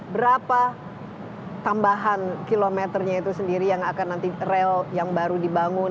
berapa tambahan kilometernya itu sendiri yang akan nanti rel yang baru dibangun